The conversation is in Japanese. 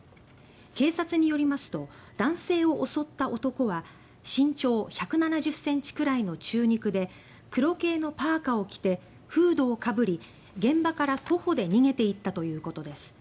警察によりますと男性を襲った男は身長１７０ｃｍくらいの中肉で黒系のパーカを着てフードをかぶり現場から徒歩で逃げていったということです。